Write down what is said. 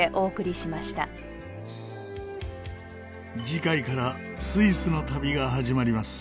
次回からスイスの旅が始まります。